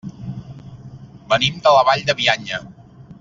Venim de la Vall de Bianya.